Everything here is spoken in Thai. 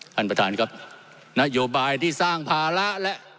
ท่านประธานครับนโยบายที่สร้างภาระและ